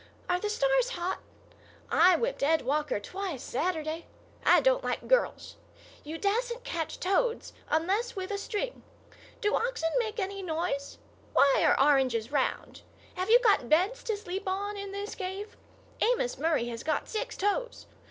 Are the stars hot? I whipped Ed Walker twice, Saturday. I don't like girls. You dassent catch toads unless with a string. Do oxen make any noise? Why are oranges round? Have you got beds to sleep on in this cave? Amos Murray has got six toes.